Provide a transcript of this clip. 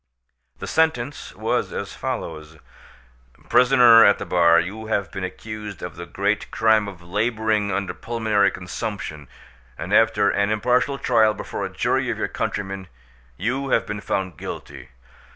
The sentence was as follows: "Prisoner at the bar, you have been accused of the great crime of labouring under pulmonary consumption, and after an impartial trial before a jury of your countrymen, you have been found guilty.